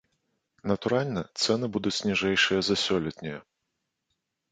Натуральна, цэны будуць ніжэйшыя за сёлетнія.